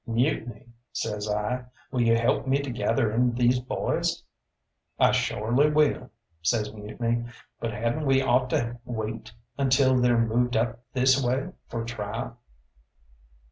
"Mutiny," says I, "will you help me to gather in these boys?" "I shorely will," says Mutiny; "but hadn't we ought to wait until they're moved up this way for trial?"